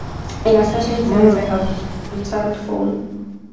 In a certain sense I have returned home.